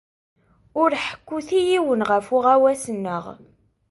Ur ḥekkut i yiwen ɣef uɣawas-nneɣ.